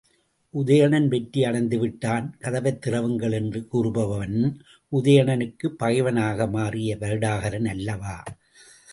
உதயணன் வெற்றி அடைந்துவிட்டான் கதவைத் திறவுங்கள் என்று கூறுபவன், உதயணனுக்குப் பகைவனாக மாறிய வருடகாரன் அல்லவா?